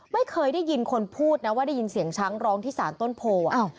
ไม่เคยได้ยินคนพูดนะว่าได้ยินเสียงช้างร้องที่สารต้นโพ